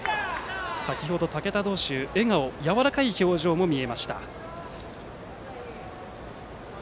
先程、竹田投手は笑顔やわらかい表情も見えました。